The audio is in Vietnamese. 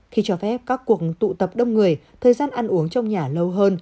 khi cho phép các cuộc tụ tập đông người thời gian ăn uống trong nhà lâu hơn